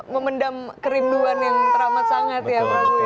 memendam kerinduan yang teramat sangat ya ibu ya